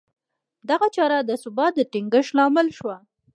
دغه چاره د ثبات د ټینګښت لامل شوه